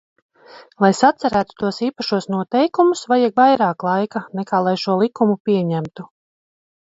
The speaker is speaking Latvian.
Lai sacerētu tos īpašos noteikumus, vajag vairāk laika, nekā lai šo likumu pieņemtu.